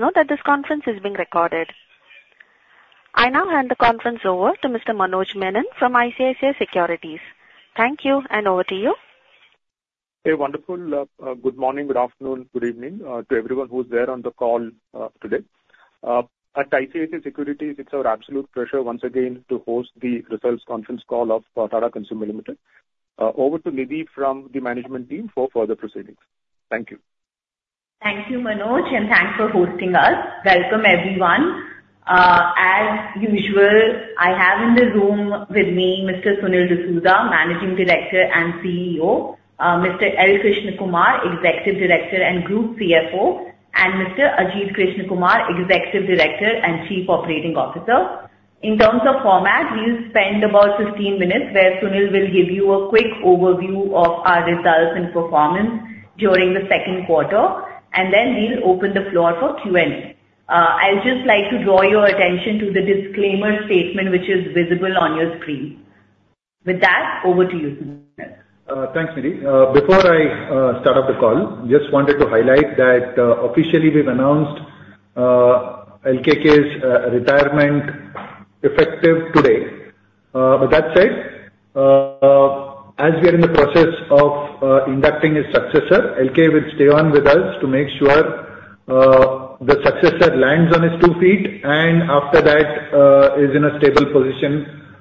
Note that this conference is being recorded. I now hand the conference over to Mr. Manoj Menon from ICICI Securities. Thank you, and over to you. A wonderful good morning, good afternoon, good evening to everyone who's there on the call today. At ICICI Securities, it's our absolute pleasure once again to host the Results Conference Call of Tata Consumer Products Limited. Over to Nidhi from the management team for further proceedings. Thank you. Thank you, Manoj, and thanks for hosting us. Welcome, everyone. As usual, I have in the room with me Mr. Sunil D'Souza, Managing Director and CEO, Mr. L. Krishnakumar, Executive Director and Group CFO, and Mr. Ajit Krishnakumar, Executive Director and Chief Operating Officer. In terms of format, we'll spend about 15 minutes, where Sunil will give you a quick overview of our results and performance during the second quarter, and then we'll open the floor for Q&A. I'd just like to draw your attention to the disclaimer statement, which is visible on your screen. With that, over to you, Sunil. Thanks, Nidhi. Before I start off the call, just wanted to highlight that officially we've announced L.K.'s retirement effective today. That said, as we are in the process of inducting his successor, L.K. will stay on with us to make sure the successor lands on his two feet, and after that is in a stable position,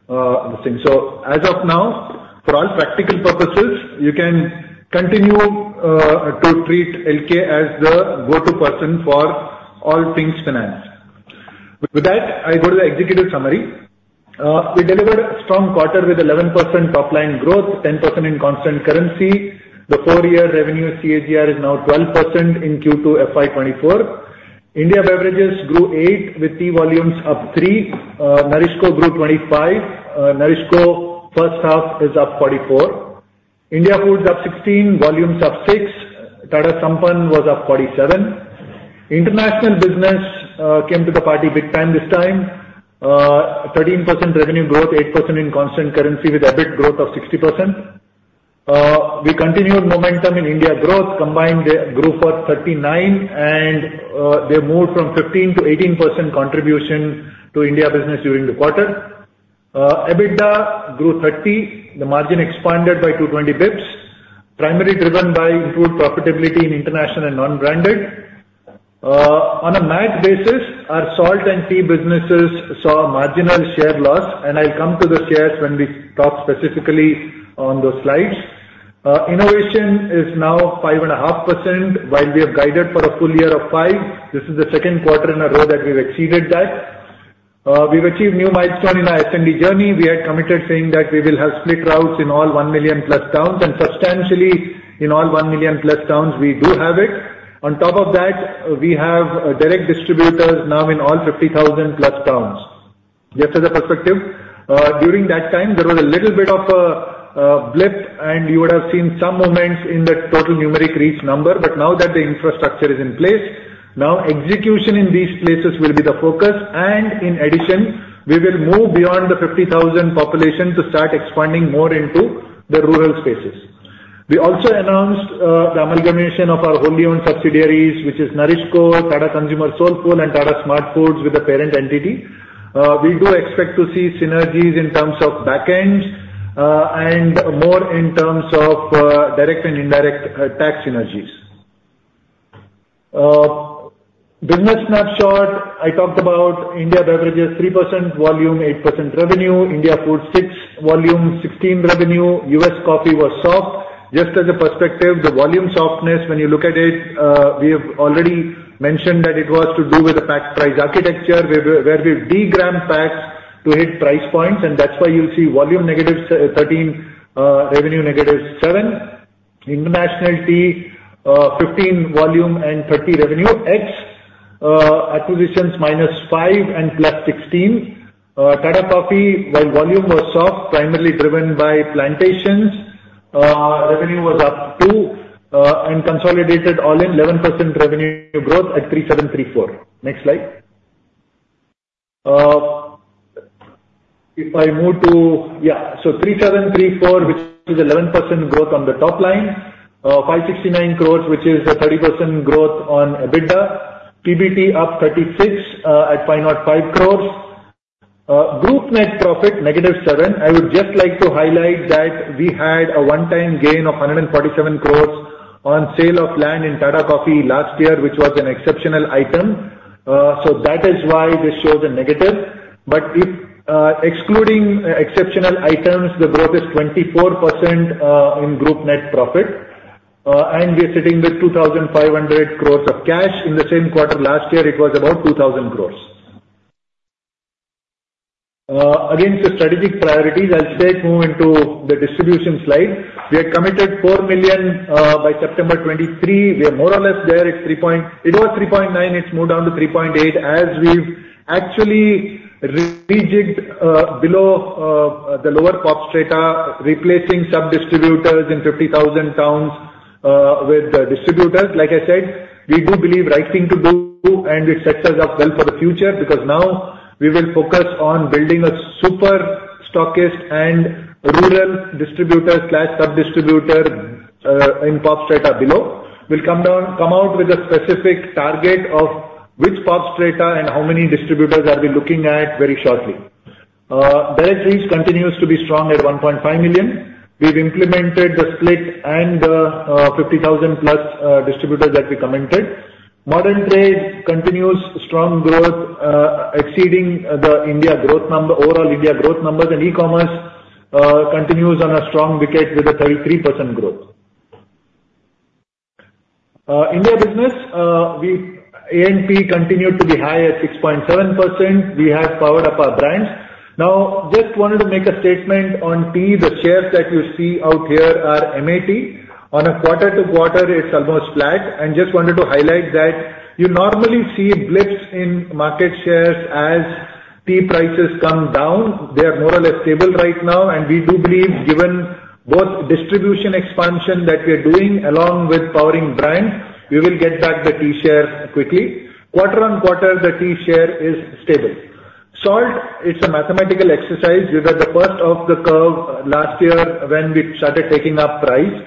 I think. So as of now, for all practical purposes, you can continue to treat L.K. as the go-to person for all things finance. With that, I go to the executive summary. We delivered a strong quarter with 11% top line growth, 10% in constant currency. The four-year revenue CAGR is now 12% in Q2 FY 2024. India Beverages grew eight, with tea volumes up three. NourishCo grew 25. NourishCo first half is up 44. India Foods up 16%, volumes up 6%. Tata Sampann was up 47%. International business came to the party big time this time. 13% revenue growth, 8% in constant currency, with EBIT growth of 60%. We continued momentum in India growth, combined they grew 39%, and they moved from 15%-18% contribution to India business during the quarter. EBITDA grew 30%, the margin expanded by 220 basis points, primarily driven by improved profitability in international and non-branded. On a MAT basis, our salt and tea businesses saw a marginal share loss, and I'll come to the shares when we talk specifically on those slides. Innovation is now 5.5%, while we have guided for a full year of 5%. This is the second quarter in a row that we've exceeded that. We've achieved new milestone in our S&D journey. We had committed saying that we will have split routes in all 1 million+ towns, and substantially in all 1 million+ towns, we do have it. On top of that, we have direct distributors now in all 50,000+ towns. Just as a perspective, during that time, there was a little bit of a blip, and you would have seen some movements in the total numeric reach number. But now that the infrastructure is in place, now execution in these places will be the focus, and in addition, we will move beyond the 50,000 population to start expanding more into the rural spaces. We also announced the amalgamation of our wholly owned subsidiaries, which is NourishCo, Tata Consumer Soulfull, and Tata SmartFoodz, with the parent entity. We do expect to see synergies in terms of back end, and more in terms of direct and indirect tax synergies. Business snapshot, I talked about India Beverages, 3% volume, 8% revenue. India Foods, six volume, 15 revenue. U.S. coffee was soft. Just as a perspective, the volume softness, when you look at it, we have already mentioned that it was to do with the pack price architecture, where we de-gram packs to hit price points, and that's why you'll see volume negative 13, revenue negative seven. International tea, 15 volume and 30 revenue. Ex-acquisitions -5 and +16. Tata Coffee, while volume was soft, primarily driven by plantations, revenue was up two, and consolidated all-in 11% revenue growth at 3,734. Next slide. If I move to... Yeah, so 3,734, which is 11% growth on the top line, five sixty-nine crores, which is a 30% growth on EBITDA. PBT, up 36, at 505 crores. Group net profit, -7. I would just like to highlight that we had a one-time gain of 147 crores on sale of land in Tata Coffee last year, which was an exceptional item. So that is why this shows a negative. But if, excluding, exceptional items, the growth is 24%, in group net profit. And we are sitting with 2,500 crores of cash. In the same quarter last year, it was about 2,000 crores. Against the strategic priorities, I'll straight move into the distribution slide. We had committed 4 million, by September 2023. We are more or less there, it's 3.9. It was 3.9, it's moved down to 3.8, as we've actually rejigged below the lower POP strata, replacing sub-distributors in 50,000 towns with distributors. Like I said, we do believe right thing to do, and it sets us up well for the future, because now we will focus on building a super stockist and rural distributor/sub-distributor in POP strata below. We'll come down, come out with a specific target of which POP strata and how many distributors are we looking at very shortly. Direct reach continues to be strong at 1.5 million. We've implemented the split and 50,000 plus distributors that we commented. Modern trade continues strong growth, exceeding the India growth number, overall India growth numbers, and e-commerce continues on a strong wicket with a 33% growth. India business, we, A&P continued to be high at 6.7%. We have powered up our brands. Now, just wanted to make a statement on tea. The shares that you see out here are MAT. On a quarter-to-quarter, it's almost flat, and just wanted to highlight that you normally see blips in market shares as tea prices come down. They are more or less stable right now, and we do believe, given both distribution expansion that we are doing along with powering brands, we will get back the tea shares quickly. Quarter on quarter, the tea share is stable. Salt, it's a mathematical exercise. We were the first of the curve last year when we started taking up price.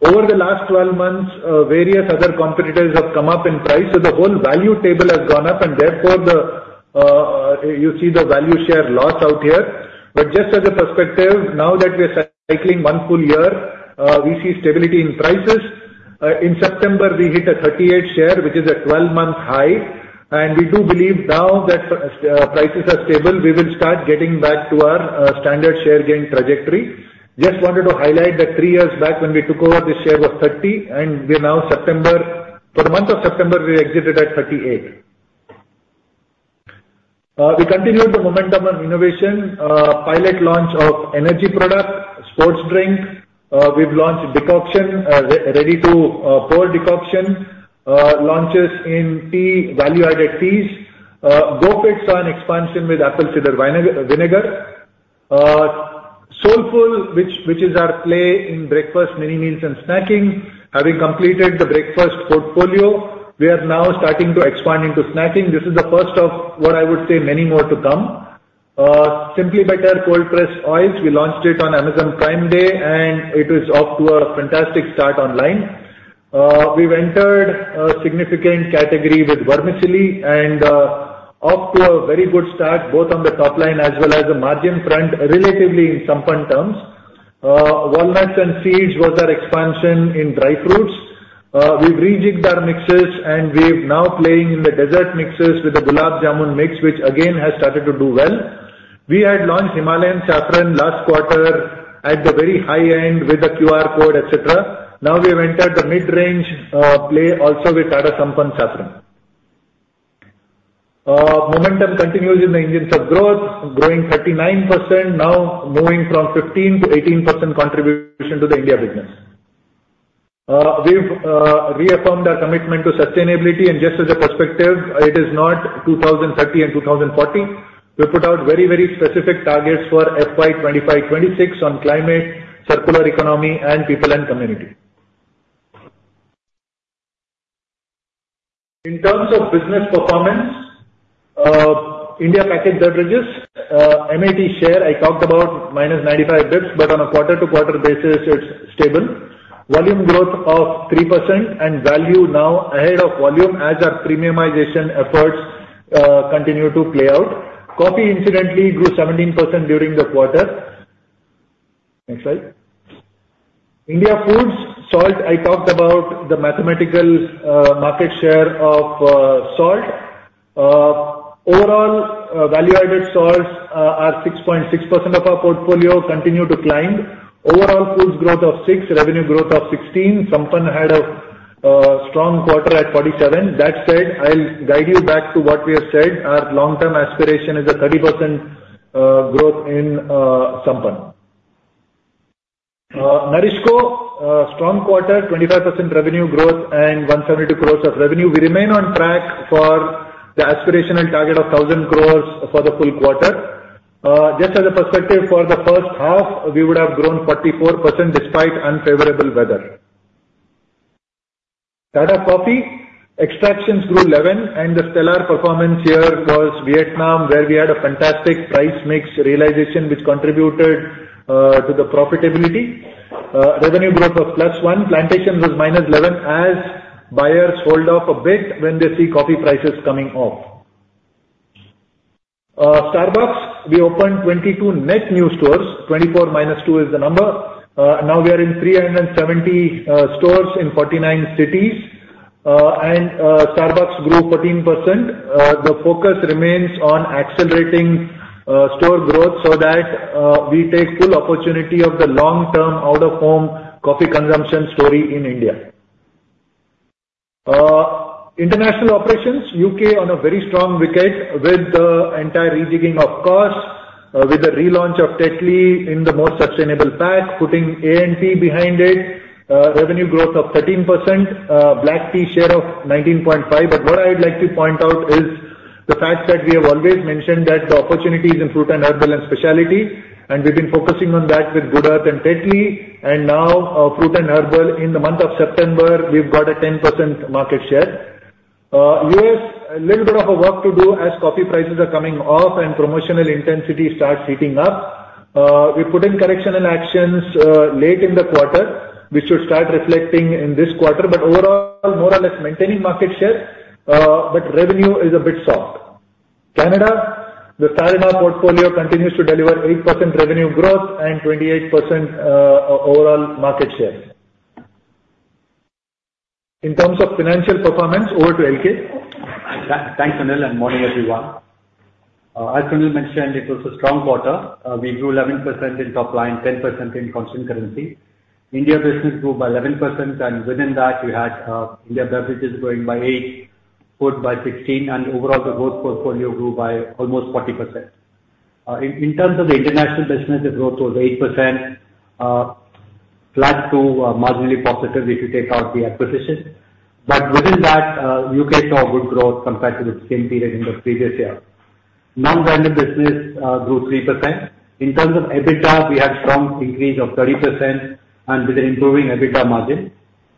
Over the last 12 months, various other competitors have come up in price, so the whole value table has gone up, and therefore, the, you see the value share loss out here. But just as a perspective, now that we are cycling one full year, we see stability in prices. In September, we hit a 38 share, which is a 12-month high, and we do believe now that, prices are stable, we will start getting back to our, standard share gain trajectory. Just wanted to highlight that 3 years back when we took over, the share was 30, and we're now September... For the month of September, we exited at 38. We continued the momentum on innovation, pilot launch of energy product, sports drink. We've launched ready-to-pour decoction launches in tea, value-added teas. GoFit saw an expansion with apple cider vinegar. Soulfull, which is our play in breakfast, mini meals, and snacking, having completed the breakfast portfolio, we are now starting to expand into snacking. This is the first of what I would say many more to come. Simply Better cold press oils, we launched it on Amazon Prime Day, and it is off to a fantastic start online. We've entered a significant category with vermicelli, and off to a very good start, both on the top line as well as the margin front, relatively in Sampann terms. Walnuts and seeds was our expansion in dry fruits. We've rejigged our mixes, and we're now playing in the dessert mixes with the Gulab Jamun Mix, which again, has started to do well. We had launched Himalayan Saffron last quarter at the very high end with a QR code, etc. Now, we have entered the mid-range play also with Tata Sampann Saffron. Momentum continues in the Indian sub growth, growing 39%, now moving from 15%-18% contribution to the India business. We've reaffirmed our commitment to sustainability, and just as a perspective, it is not 2030 and 2040. We put out very, very specific targets for FY 2025/2026 on climate, circular economy, and people and community. In terms of business performance, India packaged beverages MAT share, I talked about -95 basis points, but on a quarter-to-quarter basis, it's stable. Volume growth of 3% and value now ahead of volume as our premiumization efforts continue to play out. Coffee, incidentally, grew 17% during the quarter. Next slide. India foods, salt, I talked about the market share of salt. Overall, value-added salts are 6.6% of our portfolio, continue to climb. Overall, foods growth of 6%, revenue growth of 16%, Sampann had a strong quarter at 47%. That said, I'll guide you back to what we have said. Our long-term aspiration is a 30% growth in Sampann. NourishCo strong quarter, 25% revenue growth and 172 crore of revenue. We remain on track for the aspirational target of 1,000 crore for the full quarter. Just as a perspective, for the first half, we would have grown 44% despite unfavorable weather. Tata Coffee, extractions grew 11%, and the stellar performance here was Vietnam, where we had a fantastic price mix realization, which contributed to the profitability. Revenue growth of +1%, plantations was -11%, as buyers hold off a bit when they see coffee prices coming off. Starbucks, we opened 22 net new stores. 24 - 2 is the number. Now we are in 370 stores in 49 cities. And Starbucks grew 14%. The focus remains on accelerating store growth so that we take full opportunity of the long-term out-of-home coffee consumption story in India. International operations, U.K. on a very strong wicket with the entire rejigging of costs, with the relaunch of Tetley in the most sustainable pack, putting A&P behind it, revenue growth of 13%, black tea share of 19.5%. But what I'd like to point out is the fact that we have always mentioned that the opportunity is in fruit and herbal and specialty, and we've been focusing on that with Good Earth and Tetley, and now, fruit and herbal, in the month of September, we've got a 10% market share. U.S., a little bit of a work to do as coffee prices are coming off and promotional intensity starts heating up. We put in correctional actions, late in the quarter, which should start reflecting in this quarter. But overall, more or less maintaining market share, but revenue is a bit soft. Canada, the Tetley portfolio continues to deliver 8% revenue growth and 28% overall market share. In terms of financial performance, over to LK. Thanks, Sunil, and good morning, everyone. As Sunil mentioned, it was a strong quarter. We grew 11% in top line, 10% in constant currency. India business grew by 11%, and within that, we had India beverages growing by 8, food by 16, and overall, the growth portfolio grew by almost 40%. In terms of the international business, the growth was 8%, flat to marginally positive, if you take out the acquisition. But within that, U.K. saw good growth compared to the same period in the previous year. Non-branded business grew 3%. In terms of EBITDA, we had strong increase of 30% and with an improving EBITDA margin.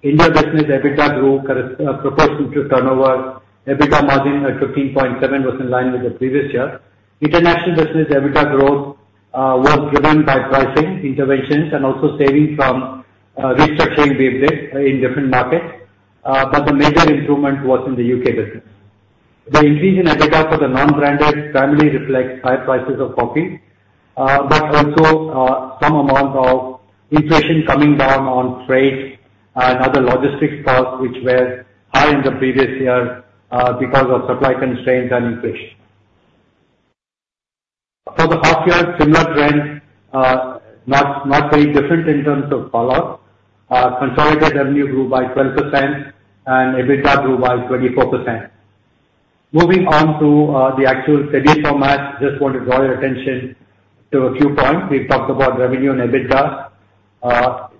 India business, EBITDA grew proportionate to turnover. EBITDA margin at 15.7 was in line with the previous year. International business, EBITDA growth was driven by pricing interventions and also savings from restructuring we did in different markets, but the major improvement was in the U.K. business. The increase in EBITDA for the non-branded primarily reflects higher prices of coffee, but also some amount of inflation coming down on freight and other logistics costs, which were high in the previous year, because of supply constraints and inflation. For the half year, similar trends, not very different in terms of follow. Consolidated revenue grew by 12% and EBITDA grew by 24%. Moving on to the actual P&L format, just want to draw your attention to a few points. We've talked about revenue and EBITDA.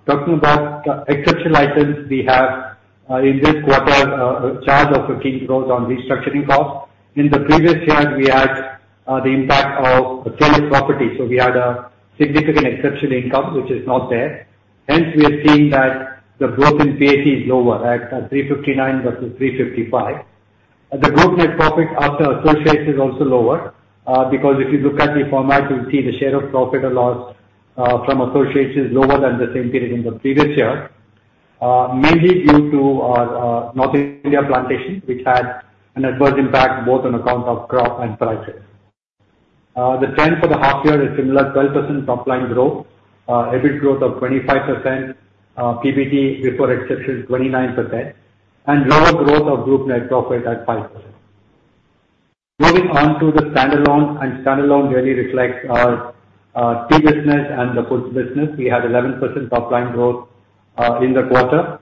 Talking about exceptional items, we have in this quarter a charge of 15 crore on restructuring costs. In the previous year, we had the impact of a sale of property, so we had a significant exceptional income, which is not there. Hence, we are seeing that the growth in PAT is lower at 359 versus 355. The group net profit after associates is also lower because if you look at the format, you'll see the share of profit or loss from associates is lower than the same period in the previous year. Mainly due to North India plantation, which had an adverse impact, both on account of crop and prices. The trend for the half year is similar, 12% top line growth, EBIT growth of 25%, PBT before exception 29%, and lower growth of group net profit at 5%. Moving on to the standalone, and standalone really reflects our, tea business and the foods business. We had 11% top line growth, in the quarter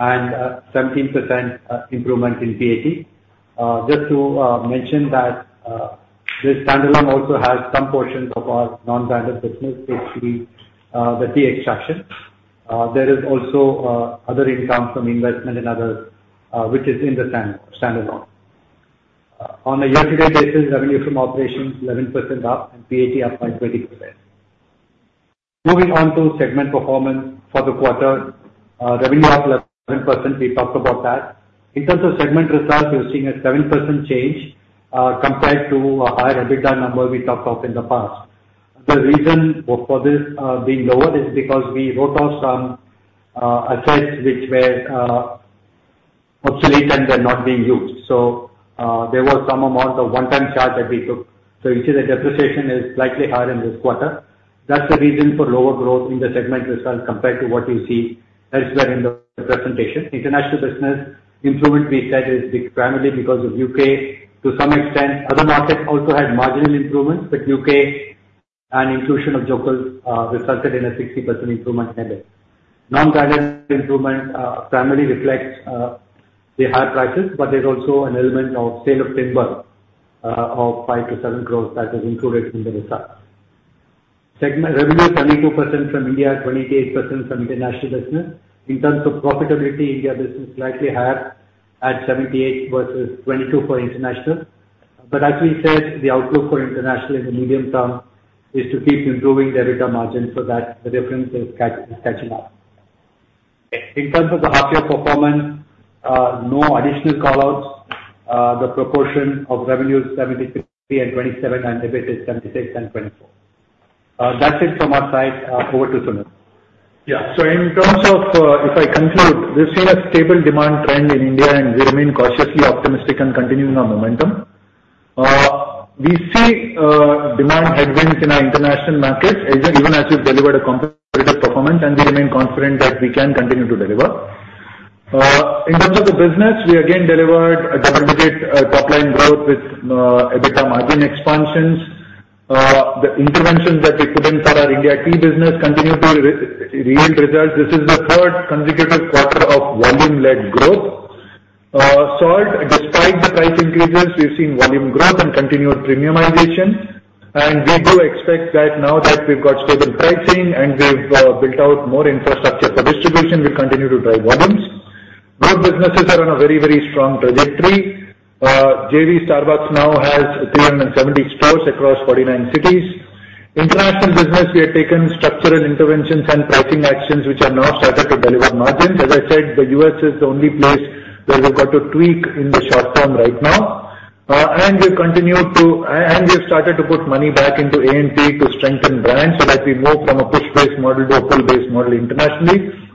and, 17% improvement in PAT. Just to mention that, the standalone also has some portions of our non-standard business, basically, the tea extraction. There is also, other income from investment and other, which is in the standalone. On a year-to-date basis, revenue from operations, 11% up, and PAT up by 20%. Moving on to segment performance for the quarter, revenue up 7%, we talked about that. In terms of segment results, you're seeing a 7% change, compared to a higher EBITDA number we talked of in the past. The reason for, for this, being lower is because we wrote off some, assets which were, obsolete and were not being used. So, there was some amount of one-time charge that we took. So you see the depreciation is slightly higher in this quarter. That's the reason for lower growth in the segment results compared to what you see elsewhere in the presentation. International business improvement we said, is primarily because of U.K.. To some extent, other markets also had marginal improvements, but U.K. and inclusion of Joekels resulted in a 60% improvement in it. Non-branded improvement, primarily reflects, the higher prices, but there's also an element of sale of timber, of 5 crore-7 crore that was included in the results. Segment revenue, 22% from India, 28% from international business. In terms of profitability, India business slightly higher at 78 versus 22 for international. But as we said, the outlook for international in the medium term is to keep improving the EBITDA margin so that the difference is catching up. In terms of the half year performance, no additional call outs. The proportion of revenue is 73 and 27, and EBITDA is 76 and 24. That's it from our side. Over to Sunil. Yeah. So in terms of, if I conclude, we've seen a stable demand trend in India, and we remain cautiously optimistic and continuing our momentum. We see demand headwinds in our international markets, even, even as we've delivered a competitive performance, and we remain confident that we can continue to deliver. In terms of the business, we again delivered a double-digit top-line growth with EBITDA margin expansions. The interventions that we put in for our India key business continue to yield results. This is the third consecutive quarter of volume-led growth. Salt, despite the price increases, we've seen volume growth and continued premiumization. We do expect that now that we've got stable pricing and we've built out more infrastructure for distribution, we continue to drive volumes. Both businesses are on a very, very strong trajectory. JV Starbucks now has 370 stores across 49 cities. International business, we have taken structural interventions and pricing actions, which have now started to deliver margins. As I said, the U.S. is the only place where we've got to tweak in the short term right now. And we have started to put money back into A&P to strengthen brands, so that we move from a push-based model to a pull-based model internationally.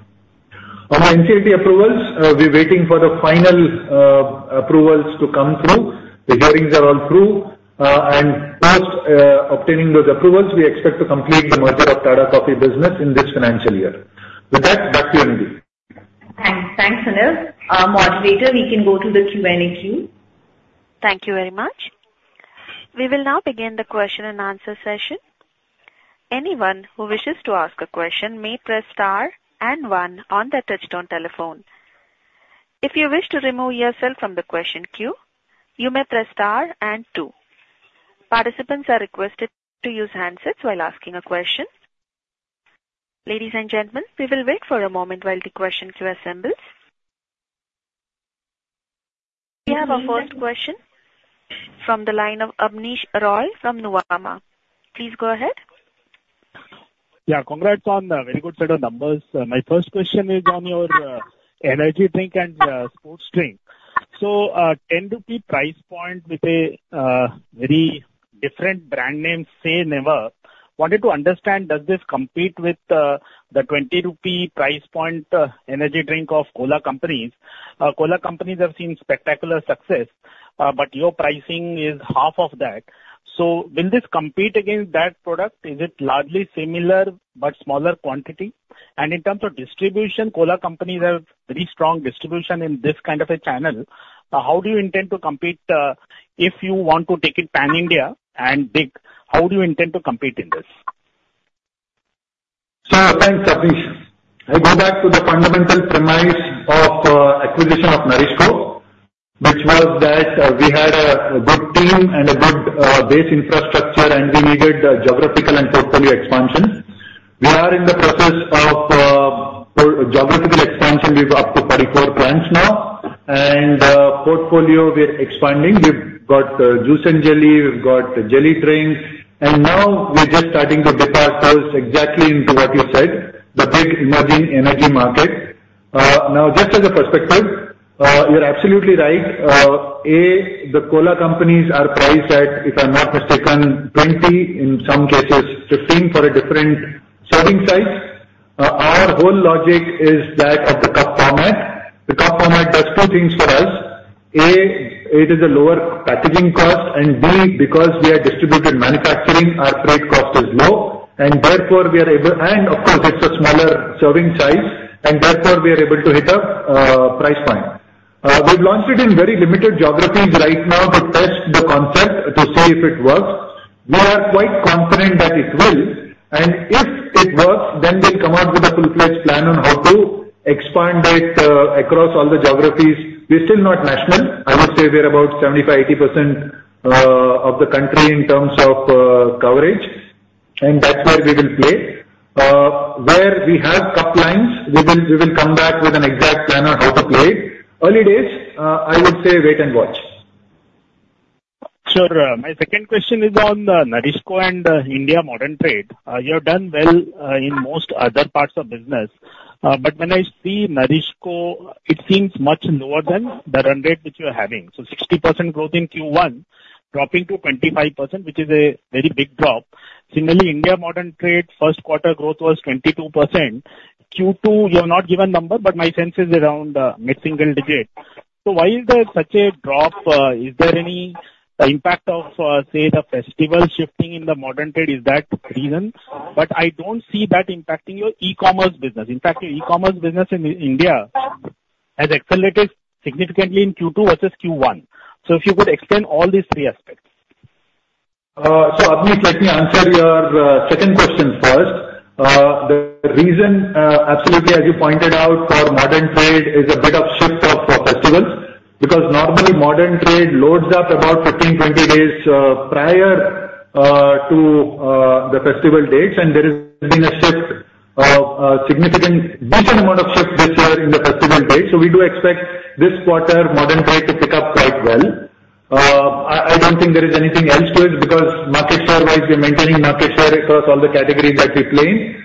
On NCLT approvals, we're waiting for the final approvals to come through. The hearings are all through, and post obtaining those approvals, we expect to complete the merger of Tata Coffee business in this financial year. With that, back to you, Nidhi Thanks. Thanks, Sunil. Moderator, we can go to the Q&A queue. Thank you very much. We will now begin the question and answer session. Anyone who wishes to ask a question may press star and one on their touchtone telephone. If you wish to remove yourself from the question queue, you may press star and two. Participants are requested to use handsets while asking a question. Ladies and gentlemen, we will wait for a moment while the question queue assembles. We have our first question from the line of Abneesh Roy from Nuvama. Please go ahead. Yeah, congrats on the very good set of numbers. My first question is on your energy drink and sports drink. So, INR 10 price point with a very different brand name, Say Never. Wanted to understand, does this compete with the 20 rupee price point energy drink of cola companies? Cola companies have seen spectacular success, but your pricing is half of that. So will this compete against that product? Is it largely similar, but smaller quantity? And in terms of distribution, cola companies have very strong distribution in this kind of a channel. How do you intend to compete, if you want to take it pan-India and big, how do you intend to compete in this? Sure. Thanks, Abhinish. I go back to the fundamental premise of acquisition of NourishCo, which was that we had a good team and a good base infrastructure, and we needed geographical and portfolio expansion. We are in the process of geographical expansion. We've up to 44 plants now, and portfolio, we're expanding. We've got juice and jelly, we've got jelly drinks, and now we're just starting to dip our toes exactly into what you said, the big emerging energy market. Now, just as a perspective, you're absolutely right. As the cola companies are priced at, if I'm not mistaken, 20, in some cases, 15 for a different serving size. Our whole logic is that of the cup format. The cup format does two things for us. A, it is a lower packaging cost, and, B, because we are distributed manufacturing, our freight cost is low, and therefore, we are able-- and of course, it's a smaller serving size, and therefore, we are able to hit a price point. We've launched it in very limited geographies right now to test the concept, to see if it works. We are quite confident that it will, and if it works, then we'll come out with a full-fledged plan on how to expand it across all the geographies. We're still not national. I would say we're about 75%-80% of the country in terms of coverage, and that's where we will play. Where we have cup lines, we will come back with an exact plan on how to play it. Early days, I would say wait and watch. Sure. My second question is on the NourishCo and India modern trade. You have done well in most other parts of business, but when I see NourishCo, it seems much lower than the run rate which you are having. So 60% growth in Q1, dropping to 25%, which is a very big drop. Similarly, India modern trade, first quarter growth was 22%. Q2, you have not given number, but my sense is around mid-single digit. So why is there such a drop? Is there any impact of, say, the festival shifting in the modern trade, is that the reason? But I don't see that impacting your e-commerce business. In fact, your e-commerce business in India has accelerated significantly in Q2 versus Q1. So if you could explain all these three aspects. So Abhinish, let me answer your second question first. The reason, absolutely, as you pointed out, for modern trade is a bit of shift of festivals. Because normally, modern trade loads up about 15, 20 days prior to the festival dates, and there has been a shift, a significant, decent amount of shift this year in the festival date. So we do expect this quarter modern trade to pick up quite well. I don't think there is anything else to it, because market share-wise, we're maintaining market share across all the categories that we play in.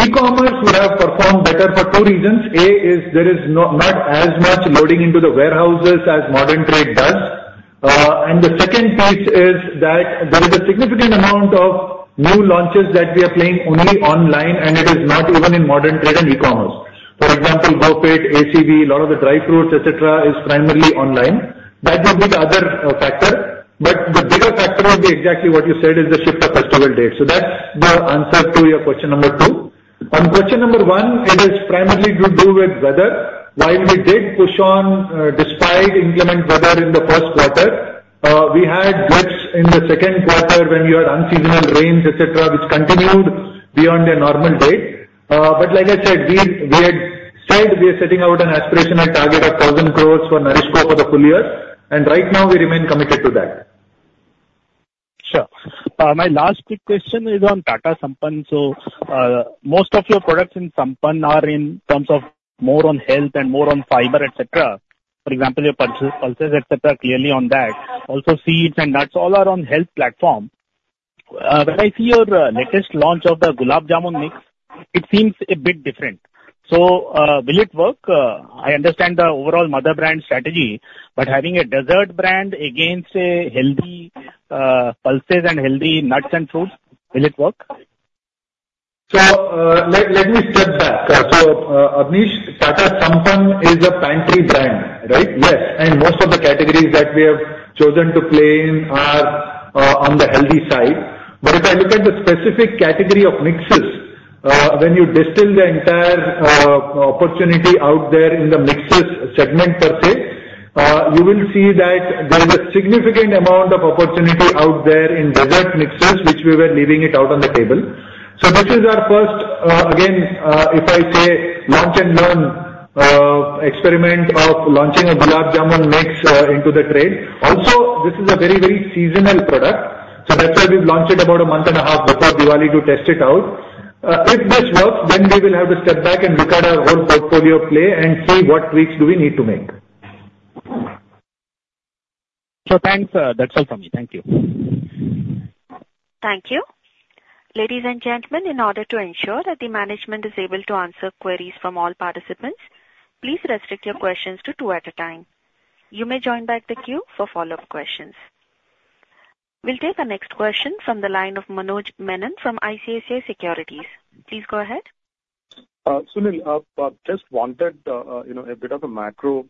E-commerce would have performed better for two reasons. A, there is not as much loading into the warehouses as modern trade does. The second piece is that there is a significant amount of new launches that we are playing only online, and it is not even in modern trade and e-commerce. For example, GoFit, ACV, a lot of the dry fruits, et cetera, is primarily online. That may be the other, factor, but the bigger factor would be exactly what you said, is the shift of festival date. So that's the answer to your question number two. On question number one, it is primarily to do with weather. While we did push on, despite inclement weather in the first quarter, we had glitches in the second quarter when we had unseasonal rains, et cetera, which continued beyond a normal date. Like I said, we had said we are setting out an aspirational target of 1,000 crore for NourishCo for the full year, and right now we remain committed to that. Sure. My last quick question is on Tata Sampann. So, most of your products in Sampann are in terms of more on health and more on fiber, etc. For example, your pulses, etc., clearly on that, also seeds and nuts, all are on health platform. When I see your latest launch of the Gulab Jamun Mix, it seems a bit different. So, will it work? I understand the overall mother brand strategy, but having a dessert brand against a healthy pulses and healthy nuts and fruits, will it work? So, let me step back. So, Amish, Tata Sampann is a pantry brand, right? Yes, and most of the categories that we have chosen to play in are on the healthy side. But if I look at the specific category of mixes, when you distill the entire opportunity out there in the mixes segment per se, you will see that there is a significant amount of opportunity out there in dessert mixes, which we were leaving it out on the table. So this is our first, again, if I say, launch and learn experiment of launching a Gulab Jamun Mix into the trade. Also, this is a very, very seasonal product, so that's why we've launched it about a month and a half before Diwali to test it out. If this works, then we will have to step back and look at our whole portfolio play and see what tweaks do we need to make. So thanks, that's all for me. Thank you. Thank you. Ladies and gentlemen, in order to ensure that the management is able to answer queries from all participants, please restrict your questions to two at a time. You may join back the queue for follow-up questions. We'll take the next question from the line of Manoj Menon from ICICI Securities. Please go ahead. Sunil, just wanted, you know, a bit of a macro,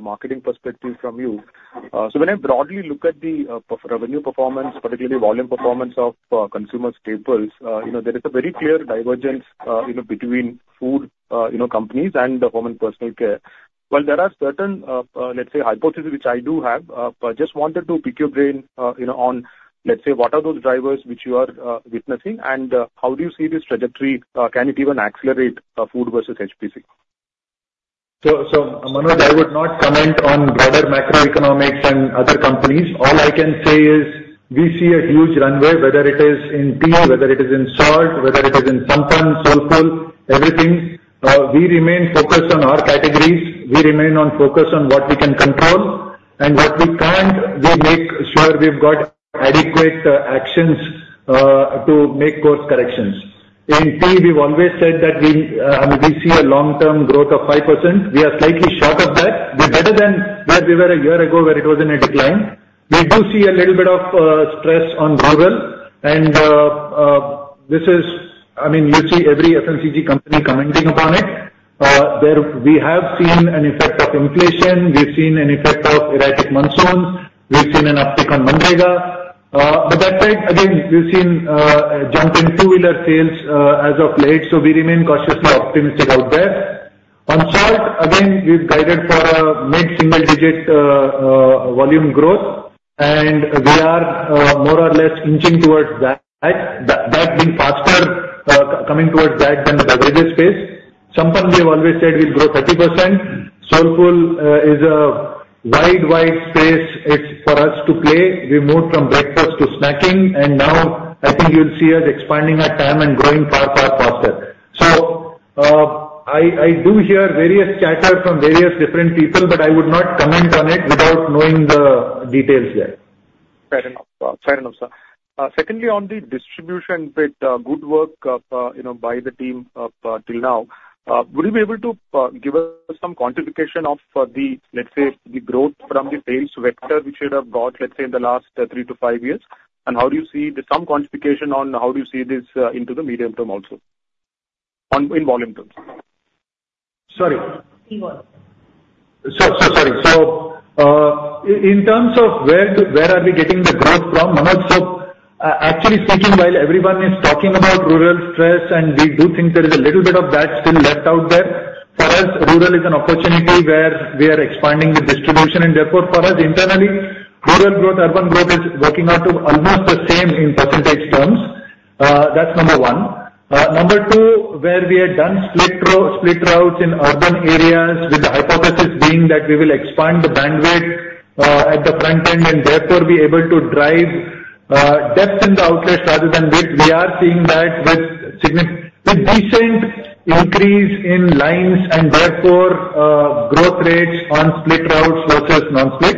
marketing perspective from you. So when I broadly look at the, revenue performance, particularly volume performance of, consumer staples, you know, there is a very clear divergence, you know, between food, you know, companies and, home and personal care. While there are certain, let's say, hypotheses, which I do have, but just wanted to pick your brain, you know, on, let's say, what are those drivers which you are, witnessing? And, how do you see this trajectory, can it even accelerate, food versus HPC? Manoj, I would not comment on broader macroeconomics and other companies. All I can say is we see a huge runway, whether it is in tea, whether it is in salt, whether it is in Sampann, Soulfull, everything. We remain focused on our categories. We remain on focus on what we can control, and what we can't, we make sure we've got adequate actions to make course corrections. In tea, we've always said that we, I mean, we see a long-term growth of 5%. We are slightly short of that. We're better than where we were a year ago, where it was in a decline. We do see a little bit of stress on rural, and this is... I mean, you see every FMCG company commenting upon it. There we have seen an effect of inflation, we've seen an effect of erratic monsoons, we've seen an uptick on MGNREGA. But that said, again, we've seen a jump in two-wheeler sales as of late, so we remain cautiously optimistic out there. On salt, again, we've guided for a mid-single-digit volume growth, and we are more or less inching towards that, that being faster coming towards that than the beverages space. Sampann, we've always said we'll grow 30%. Soulfull is a wide, wide space. It's for us to play. We've moved from breakfast to snacking, and now I think you'll see us expanding our time and growing far, far faster. So, I do hear various chatter from various different people, but I would not comment on it without knowing the details yet. Fair enough. Fair enough, sir. Secondly, on the distribution bit, good work, you know, by the team, till now. Would you be able to give us some quantification of the, let's say, the growth from the sales vector, which you'd have got, let's say, in the last three-to-five years? And how do you see the some quantification on how do you see this into the medium term also, on, in volume terms? Sorry. Volume. So sorry. In terms of where we are getting the growth from, Manoj, actually speaking, while everyone is talking about rural stress, and we do think there is a little bit of that still left out there, for us, rural is an opportunity where we are expanding the distribution. And therefore, for us, internally, rural growth, urban growth, is working out to almost the same in percentage terms. That's number one. Number two, where we had done split route, split routes in urban areas, with the hypothesis being that we will expand the bandwidth at the front end, and therefore be able to drive depth in the outlets rather than width, we are seeing that with decent increase in lines and therefore growth rates on split routes versus non-split.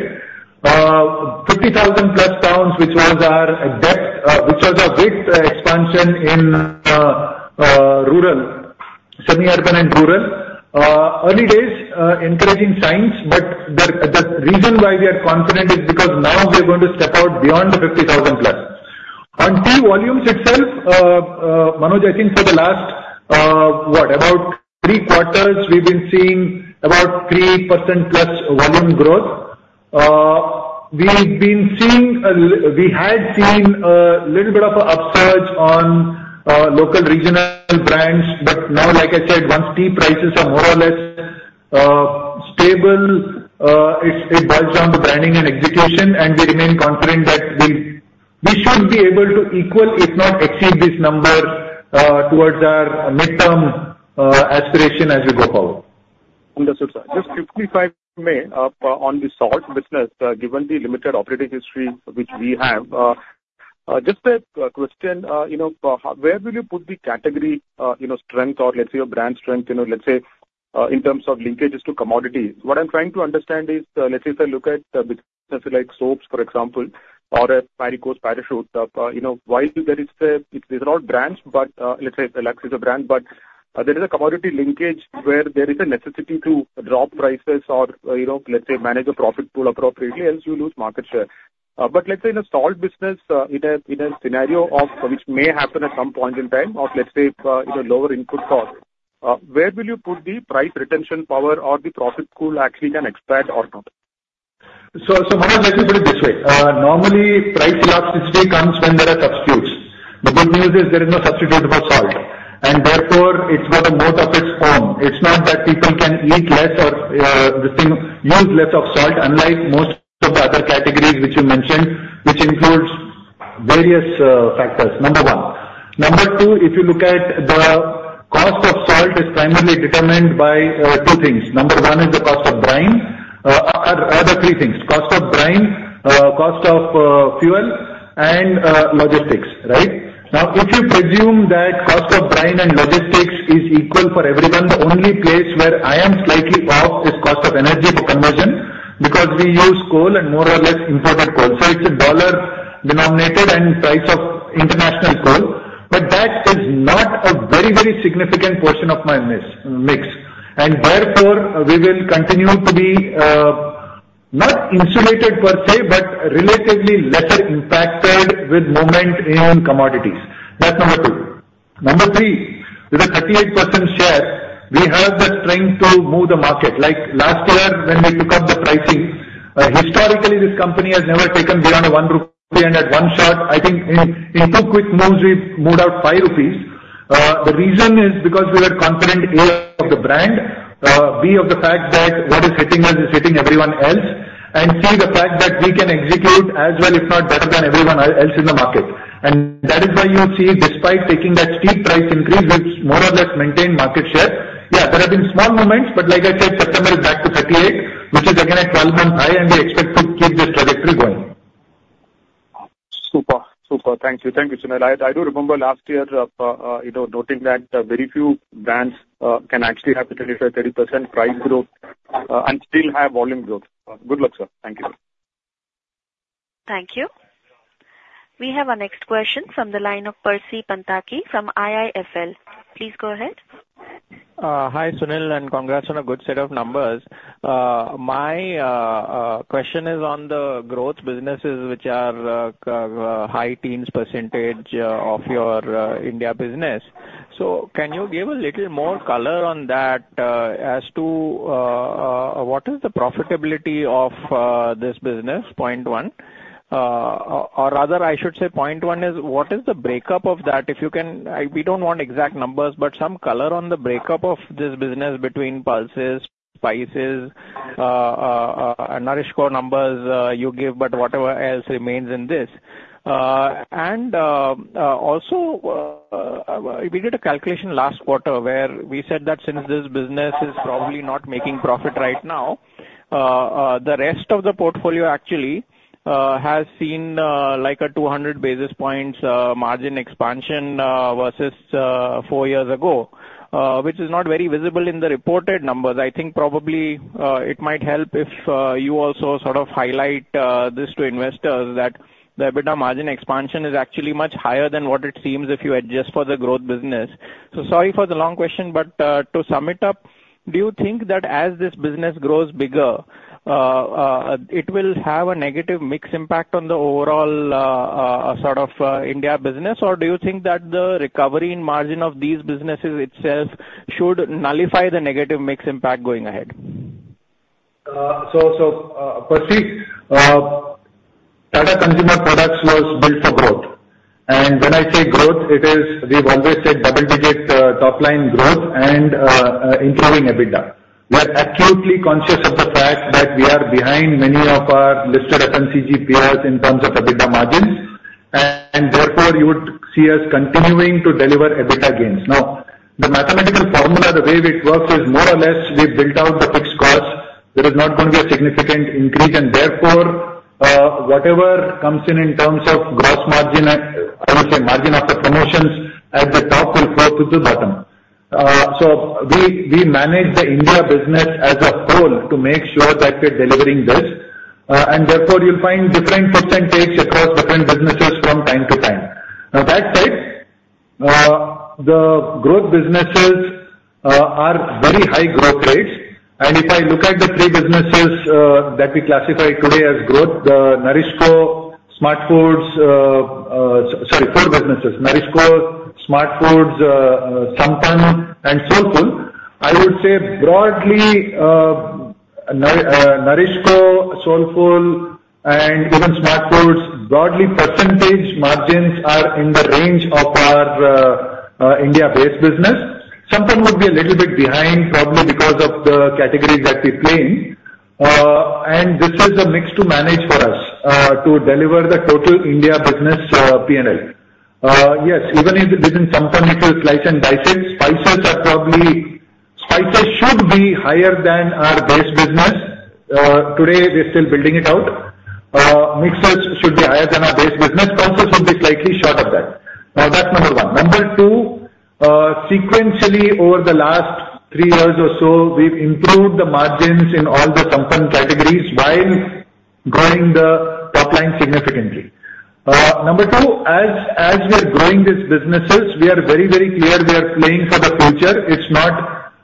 50,000+ towns, which was our depth, which was our width expansion in rural, semi-urban and rural. Early days, encouraging signs, but the reason why we are confident is because now we are going to step out beyond the 50,000+. On tea volumes itself, Manoj, I think for the last, what, about three quarters, we've been seeing about 3%+ volume growth. We've been seeing, we had seen a little bit of an upsurge on local regional brands, but now, like I said, once tea prices are more or less stable, it boils down to branding and execution, and we remain confident that we should be able to equal, if not exceed this number, towards our midterm aspiration as we go forward. Understood, sir. Just quickly if I may, on the salt business, given the limited operating history which we have, just a question, you know, where will you put the category, you know, strength or let's say, your brand strength, you know, let's say, in terms of linkages to commodities? What I'm trying to understand is, let's say if I look at the business, like soaps, for example, or a Parachute, you know, while there is these are all brands, but, let's say, Lux is a brand, but, there is a commodity linkage where there is a necessity to drop prices or, you know, let's say, manage a profit pool appropriately, else you lose market share. But let's say in a salt business, in a scenario of which may happen at some point in time, or let's say, in a lower input cost, where will you put the price retention power or the profit pool actually can expand or not? So, so let me put it this way. Normally, price elasticity comes when there are substitutes. The good news is there is no substitute for salt, and therefore, it's got the most of its form. It's not that people can eat less or use less of salt, unlike most of the other categories which you mentioned, which includes various factors, number one. Number two, if you look at the cost of salt, is primarily determined by two things. Number one is the cost of brine. Other three things, cost of brine, cost of fuel and logistics, right? Now, if you presume that cost of brine and logistics is equal for everyone, the only place where I am slightly off is cost of energy for conversion, because we use coal and more or less imported coal. It's a dollar-denominated price of international coal. But that is not a very, very significant portion of my mix, and therefore, we will continue to be not insulated per se, but relatively lesser impacted with movement in commodities. That's number two. Number three, with a 38% share, we have the strength to move the market. Like, last year when we took up the pricing, historically, this company has never taken beyond an 1 rupee, and at one shot, I think in two quick moves, we moved out 5 rupees. The reason is because we were confident, A, of the brand, B, of the fact that what is hitting us is hitting everyone else, and, C, the fact that we can execute as well, if not better than everyone else in the market. That is why you see, despite taking that steep price increase, we've more or less maintained market share. Yeah, there have been small moments, but like I said, September is back to 38, which is again a 12-month high, and we expect to keep this trajectory going. Super, super. Thank you. Thank you, Sunil. I, I do remember last year, you know, noting that very few brands can actually have a 30, a 30% price growth and still have volume growth. Good luck, sir. Thank you. Thank you. We have our next question from the line of Percy Panthaki from IIFL. Please go ahead. Hi, Sunil, and congrats on a good set of numbers. My question is on the growth businesses which are high teens % of your India business. So can you give a little more color on that, as to what is the profitability of this business? Point one. Or rather, I should say point one is, what is the breakup of that? If you can, I-- we don't want exact numbers, but some color on the breakup of this business between pulses, spices, and NourishCo numbers you give, but whatever else remains in this. Also, we did a calculation last quarter, where we said that since this business is probably not making profit right now, the rest of the portfolio actually has seen like a 200 basis points margin expansion versus four years ago, which is not very visible in the reported numbers. I think probably it might help if you also sort of highlight this to investors, that the EBITDA margin expansion is actually much higher than what it seems if you adjust for the growth business. So sorry for the long question, but to sum it up, do you think that as this business grows bigger it will have a negative mix impact on the overall sort of India business? Or do you think that the recovery in margin of these businesses itself should nullify the negative mix impact going ahead? So, so, Percy, Tata Consumer Products was built for growth. And when I say growth, it is, we've always said double digit top line growth and including EBITDA. We are acutely conscious of the fact that we are behind many of our listed FMCG peers in terms of EBITDA margins, and therefore, you would see us continuing to deliver EBITDA gains. Now, the mathematical formula, the way it works, is more or less we built out the fixed cost. There is not going to be a significant increase, and therefore, whatever comes in in terms of gross margin, I would say margin after promotions at the top will flow through to the bottom. So we, we manage the India business as a whole to make sure that we're delivering this, and therefore you'll find different percentages across different businesses from time to time. Now, that said, the growth businesses are very high growth rates, and if I look at the three businesses that we classify today as growth, the NourishCo, Smart Foods, sorry, four businesses, NourishCo, Smart Foods, Sampann, and Soulfull. I would say broadly, NourishCo, Soulfull, and even Smart Foods, broadly, percentage margins are in the range of our India-based business. Sampann would be a little bit behind, probably because of the category that we play in. And this is a mix to manage for us to deliver the total India business PNL. Yes, even if within Sampann, it will slice and dice it. Spices, mixers should be higher than our base business. Today, we're still building it out. Mixers should be higher than our base business, pulses should be slightly short of that. That's number one. Number two, sequentially, over the last three years or so, we've improved the margins in all the Sampann categories while growing the top line significantly. Number two, as we are growing these businesses, we are very, very clear we are playing for the future. It's not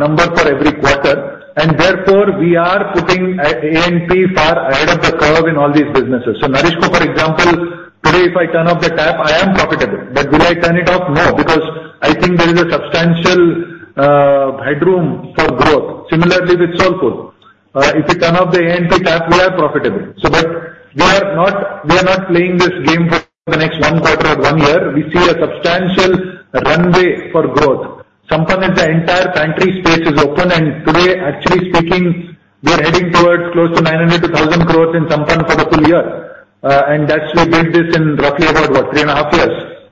number for every quarter, and therefore, we are putting A&P far ahead of the curve in all these businesses. So, NourishCo, for example, today, if I turn off the tap, I am profitable. But will I turn it off? No, because I think there is a substantial headroom for growth. Similarly with Soulfull. If we turn off the A&P tap, we are profitable. So but we are not, we are not playing this game for the next one quarter or one year. We see a substantial runway for growth. Sampann, the entire pantry space is open, and today, actually speaking, we're heading towards close to 900-1,000 crores in Sampann for the full year. And that's, we built this in roughly about, what? Three and a half years.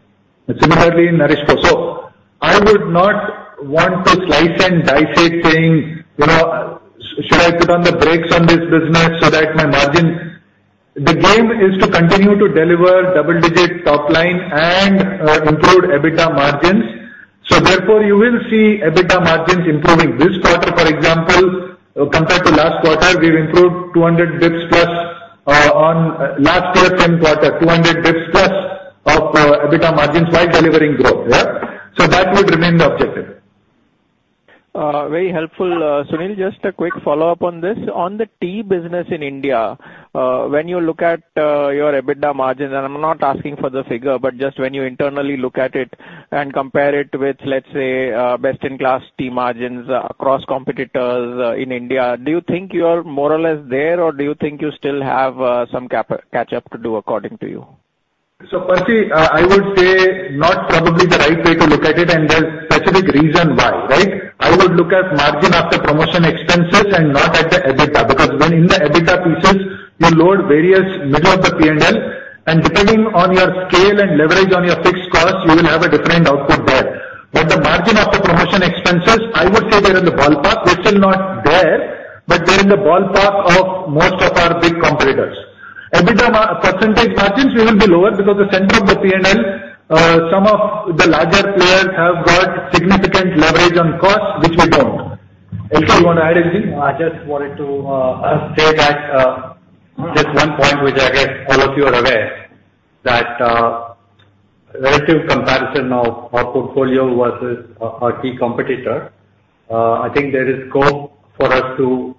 And similarly in NourishCo. So I would not want to slice and dice it, saying, you know, "Should I put on the brakes on this business so that my margin..." The game is to continue to deliver double-digit top line and improve EBITDA margins. So therefore, you will see EBITDA margins improving. This quarter, for example, compared to last quarter, we've improved 200 BPS plus on last year same quarter, 200 BPS plus of EBITDA margins while delivering growth, yeah? So that would remain the objective. Very helpful, Sunil. Just a quick follow-up on this. On the tea business in India, when you look at your EBITDA margins, and I'm not asking for the figure, but just when you internally look at it and compare it with, let's say, best-in-class tea margins across competitors, in India, do you think you're more or less there, or do you think you still have some catch up to do, according to you? So, Percy, I would say not probably the right way to look at it, and there's specific reason why, right? I would look at margin after promotion expenses and not at the EBITDA, because when in the EBITDA pieces, you load various middle of the P&L, and depending on your scale and leverage on your fixed costs, you will have a different output there. But the margin of the promotion expenses, I would say they're in the ballpark. We're still not there, but they're in the ballpark of most of our big competitors. EBITDA percentage margins, we will be lower because the center of the P&L, some of the larger players have got significant leverage on costs, which we don't. LK, you want to add anything? I just wanted to say that just one point, which I guess all of you are aware, that relative comparison of our portfolio versus our key competitor, I think there is scope for us to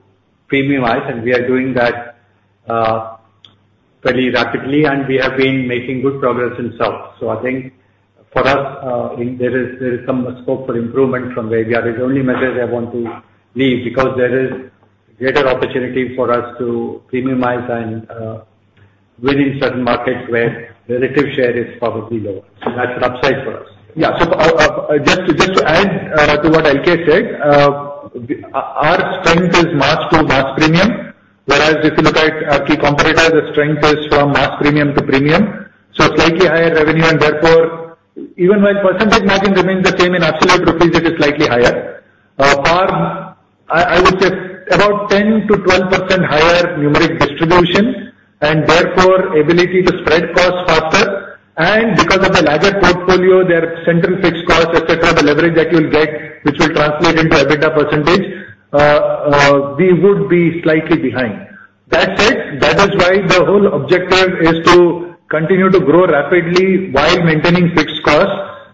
premiumize, and we are doing that pretty rapidly, and we have been making good progress in South. So I think for us, there is some scope for improvement from where we are. The only message I want to leave, because there is greater opportunity for us to premiumize and win in certain markets where relative share is probably lower. So that's an upside for us. Yeah. So, just to add to what LK said, our strength is mass to mass premium, whereas if you look at our key competitor, the strength is from mass premium to premium. So slightly higher revenue, and therefore, even while percentage margin remains the same, in absolute INR, it is slightly higher. Per, I would say about 10%-12% higher numeric distribution, and therefore, ability to spread costs faster. And because of the larger portfolio, their central fixed costs, et cetera, the leverage that you'll get, which will translate into EBITDA percentage, we would be slightly behind. That said, that is why the whole objective is to continue to grow rapidly while maintaining fixed costs,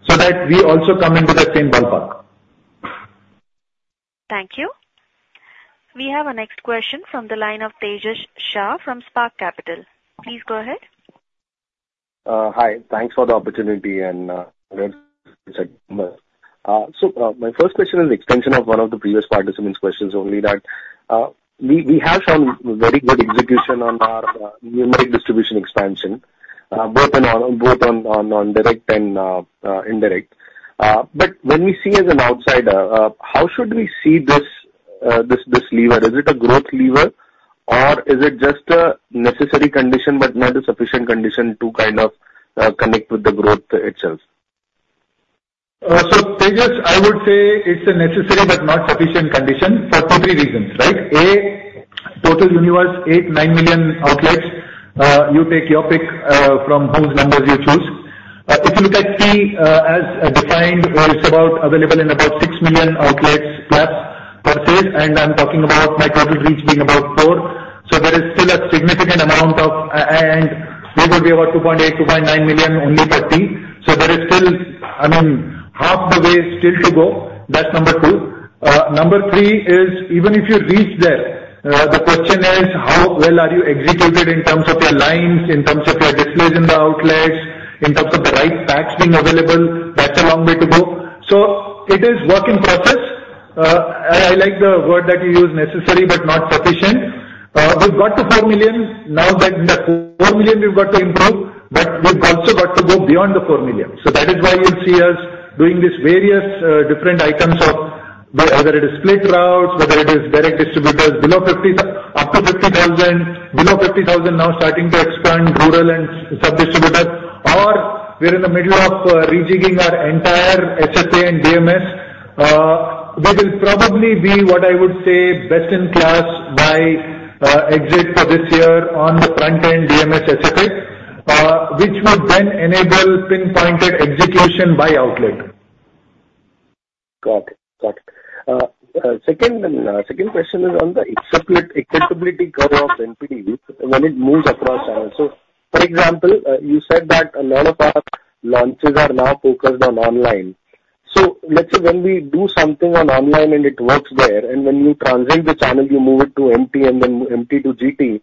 so that we also come into the same ballpark. Thank you. We have our next question from the line of Tejas Shah from Spark Capital. Please go ahead. Hi. Thanks for the opportunity and, so, my first question is an extension of one of the previous participant's questions, only that, we have some very good execution on our numeric distribution expansion, both on direct and indirect. But when we see as an outsider, how should we see this lever? Is it a growth lever, or is it just a necessary condition but not a sufficient condition to kind of connect with the growth itself? So Tejas, I would say it's a necessary but not sufficient condition for two to three reasons, right? A, total universe, 8-9 million outlets. You take your pick from whose numbers you choose. If you look at tea, as defined, it's about available in about 6 million outlets plus per se, and I'm talking about my target reach being about four. So there is still a significant amount of and we will be about 2.8-2.9 million only per tea. So there is still, I mean, half the way still to go. That's number two. Number three is, even if you reach there, the question is, how well are you executed in terms of your lines, in terms of your displays in the outlets, in terms of the right packs being available? That's a long way to go. So it is work in process. I, I like the word that you used, necessary but not sufficient. We've got to 4 million. Now that the 4 million we've got to improve, but we've also got to go beyond the 4 million. So that is why you'll see us doing these various, different items of, whether it is split routes, whether it is direct distributors, below 50,000 up to 50,000, below 50,000, now starting to expand rural and sub distributors. We're in the middle of rejigging our entire HFA and DMS. They will probably be, what I would say, best in class by exit for this year on the front-end DMS specific, which would then enable pinpointed execution by outlet. Got it. Got it. Second question is on the acceptability curve of NPD when it moves across channels. So, for example, you said that a lot of our launches are now focused on online. So let's say when we do something on online and it works there, and when you translate the channel, you move it to MT and then MT to GT,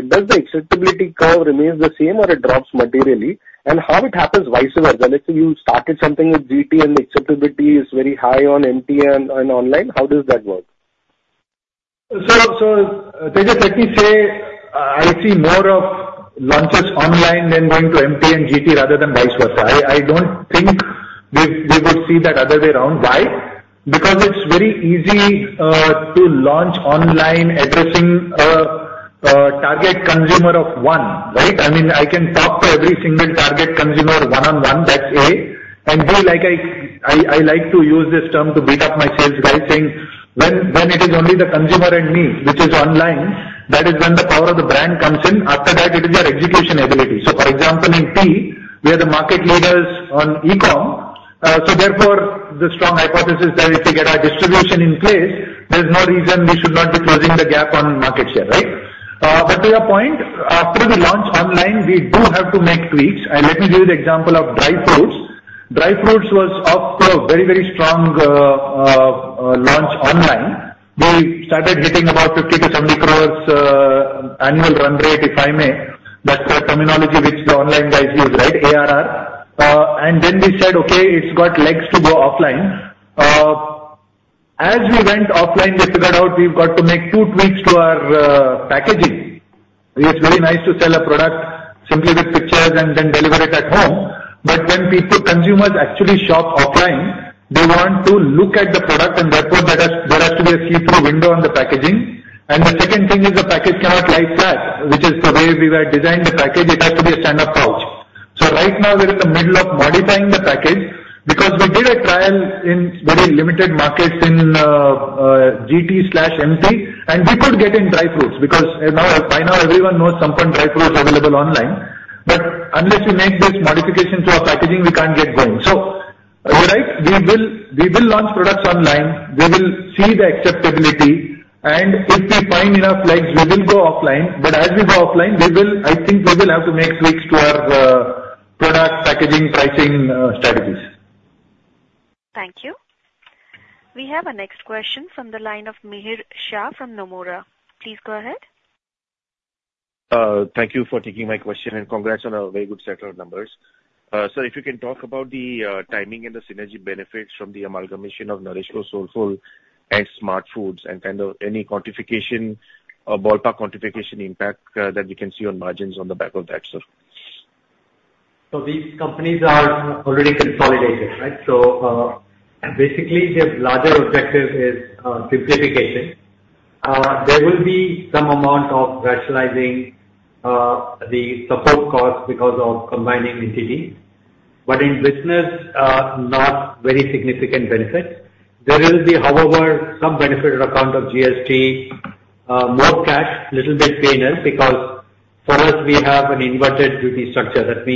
does the acceptability curve remains the same or it drops materially? And how it happens vice versa. Let's say you started something with GT and acceptability is very high on MT and online, how does that work? So, Tejas, let me say, I see more of launches online than going to MT and GT rather than vice versa. I don't think we would see that other way around. Why? Because it's very easy to launch online addressing target consumer of one, right? I mean, I can talk to every single target consumer one-on-one, that's A. And B, like, I like to use this term to beat up my sales guys, saying, "When it is only the consumer and me, which is online, that is when the power of the brand comes in. After that, it is your execution ability." So for example, in tea, we are the market leaders on e-com. So therefore, the strong hypothesis that if we get our distribution in place, there's no reason we should not be closing the gap on market share, right? But to your point, after we launch online, we do have to make tweaks. And let me give you the example of dry fruits. Dry fruits was off to a very, very strong launch online. We started hitting about 50-70 crores annual run rate, if I may. That's the terminology which the online guys use, right? ARR. And then we said, "Okay, it's got legs to go offline." As we went offline, we figured out we've got to make two tweaks to our packaging. It's very nice to sell a product simply with pictures and then deliver it at home. But when people, consumers actually shop offline, they want to look at the product, and therefore, there has, there has to be a see-through window on the packaging. And the second thing is the package cannot lie flat, which is the way we were designed the package. It has to be a stand-up pouch. So right now, we're in the middle of modifying the package, because we did a trial in very limited markets in GT/MT, and we could get in dry fruits, because now, by now everyone knows Sampann dry fruit is available online. But unless we make this modification to our packaging, we can't get going. So you're right, we will, we will launch products online. We will see the acceptability, and if we find enough legs, we will go offline. But as we go offline, we will, I think we will have to make tweaks to our product, packaging, pricing strategies. Thank you. We have our next question from the line of Mihir Shah from Nomura. Please go ahead. Thank you for taking my question, and congrats on a very good set of numbers. So if you can talk about the timing and the synergy benefits from the amalgamation of NourishCo's Soulfull and SmartFoodz, and kind of any quantification, or ballpark quantification impact that we can see on margins on the back of that, sir. So these companies are already consolidated, right? So, basically, the larger objective is simplification. There will be some amount of rationalizing the support costs because of combining entities. But in business, not very significant benefit. There will be, however, some benefit on account of GST, more cash, little bit payment, because for us, we have an inverted duty structure. That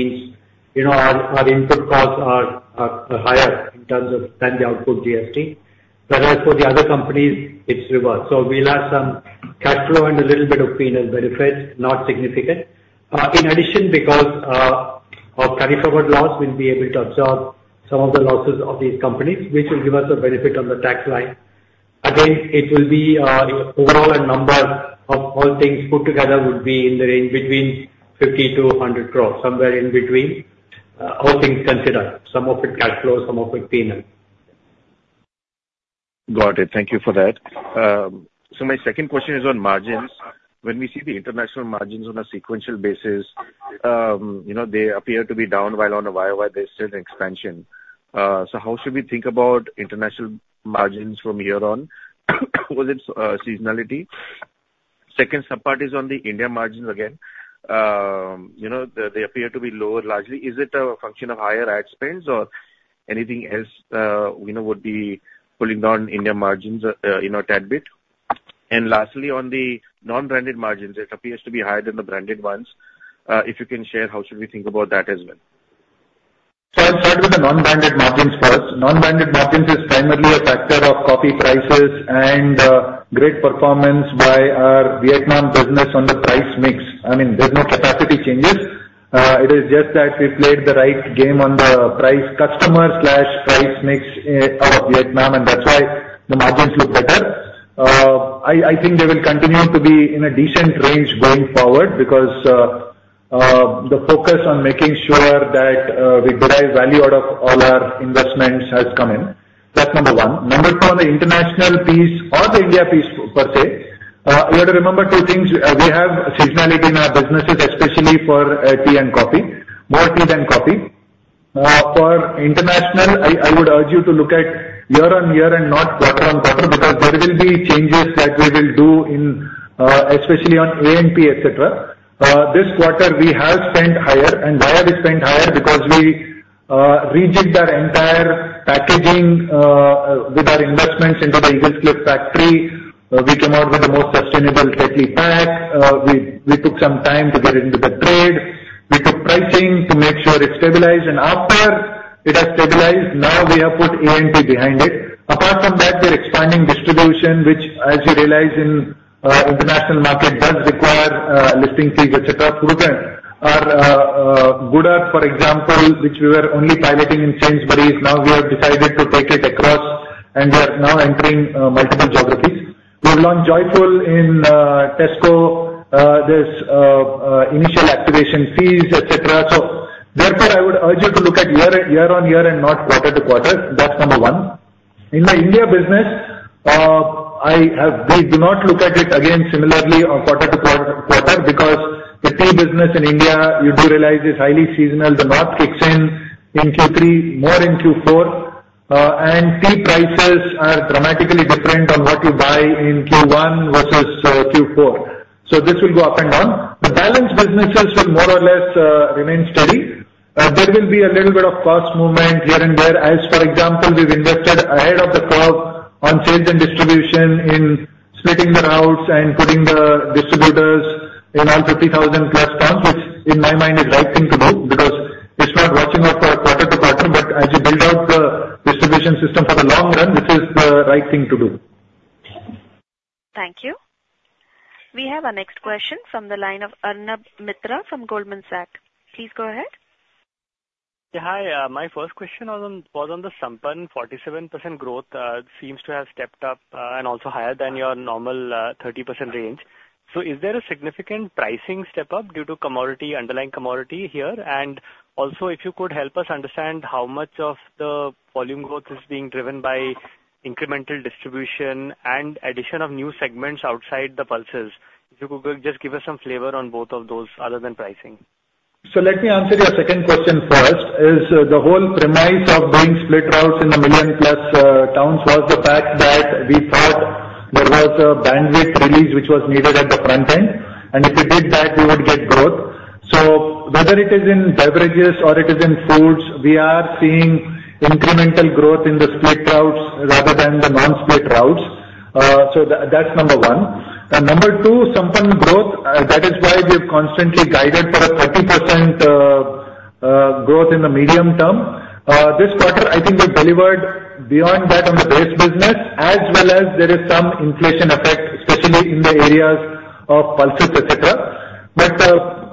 means, you know, our input costs are higher in terms of than the output GST. Whereas for the other companies, it's reverse. So we'll have some cash flow and a little bit of payment benefits, not significant. In addition, because our carryforward loss, we'll be able to absorb some of the losses of these companies, which will give us a benefit on the tax line. Again, it will be, overall a number of all things put together would be in the range between 50 crore-100 crore, somewhere in between, all things considered, some of it cash flow, some of it payment. Got it. Thank you for that. So my second question is on margins. When we see the international margins on a sequential basis, you know, they appear to be down, while on a YoY, there's still an expansion. So how should we think about international margins from here on? Was it, seasonality? Second subpart is on the India margins again. You know, they appear to be lower largely. Is it a function of higher ad spends or anything else, you know, would be pulling down India margins, you know, tad bit? And lastly, on the non-branded margins, it appears to be higher than the branded ones. If you can share, how should we think about that as well? So I'll start with the non-branded margins first. Non-branded margins is primarily a factor of coffee prices and, great performance by our Vietnam business on the price mix. I mean, there's no capacity changes. It is just that we played the right game on the price customer/price mix, of Vietnam, and that's why the margins look better. I think they will continue to be in a decent range going forward because, the focus on making sure that, we derive value out of all our investments has come in. That's number one. Number two, on the international piece or the India piece per se, you have to remember two things. We have seasonality in our businesses, especially for, tea and coffee, more tea than coffee. For international, I would urge you to look at year-on-year and not quarter-on-quarter, because there will be changes that we will do in, especially on AMP, et cetera. This quarter, we have spent higher, and why have we spent higher? Because we rejigged our entire packaging with our investments into the Eaglescliffe factory. We came out with a more sustainable Tetley pack. We took some time to get into the trade. We took pricing to make sure it stabilized, and after it has stabilized, now we have put A&P behind it. Apart from that, we're expanding distribution, which as you realize in international market, does require listing fees, et cetera. Further, our Good Earth, for example, which we were only piloting in Sainsbury's, now we have decided to take it across, and we are now entering multiple geographies. We've launched Joyfull in Tesco. There's initial activation fees, et cetera. So therefore, I would urge you to look at year-over-year and not quarter-over-quarter. That's number one. In the India business, we do not look at it again, similarly on quarter-over-quarter, because the tea business in India, you do realize, is highly seasonal. The north kicks in in Q3, more in Q4, and tea prices are dramatically different on what you buy in Q1 versus Q4. So this will go up and down. The balanced businesses will more or less remain steady. There will be a little bit of cost movement here and there, as, for example, we've invested ahead of the curve on sales and distribution, in splitting the routes and putting the distributors in all 50,000+ towns, which in my mind is the right thing to do, because it's not washing off for quarter-to-quarter. But as you build out the distribution system for the long run, this is the right thing to do. Thank you. We have our next question from the line of Arnab Mitra from Goldman Sachs. Please go ahead. Yeah, hi. My first question was on the Sampann 47% growth, seems to have stepped up, and also higher than your normal, 30% range. So is there a significant pricing step up due to commodity, underlying commodity here? And also, if you could help us understand how much of the volume growth is being driven by incremental distribution and addition of new segments outside the pulses? If you could just give us some flavor on both of those other than pricing. So let me answer your second question first, is the whole premise of doing split routes in the million-plus towns, was the fact that we thought there was a bandwidth release which was needed at the front end, and if you did that, you would get growth. So whether it is in beverages or it is in foods, we are seeing incremental growth in the split routes rather than the non-split routes. So that, that's number one. Number two, Sampann growth, that is why we have constantly guided for a 30% growth in the medium term. This quarter, I think we've delivered beyond that on the base business, as well as there is some inflation effect, especially in the areas of pulses, et cetera. But